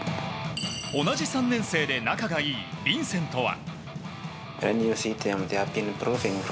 同じ３年生で仲がいいヴィンセントは。